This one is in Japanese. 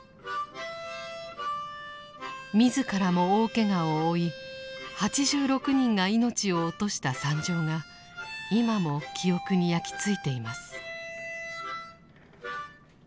自らも大けがを負い８６人が命を落とした惨状が今も記憶に焼き付いています。